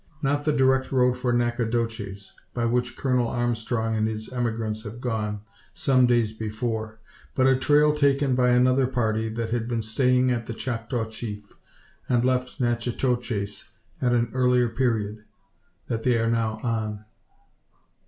Not the direct road for Nacogdoches by which Colonel Armstrong and his emigrants have gone, some ten days before; but a trail taken by another party that had been staying at the Choctaw Chief, and left Natchitoches at an earlier period that they are now on.